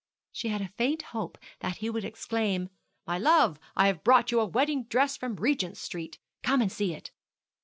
She had a faint hope that he would exclaim, 'My love, I have brought you a wedding dress from Regent Street; come and see it.'